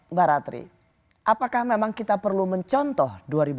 mbak ratri apakah memang kita perlu mencontoh dua ribu dua puluh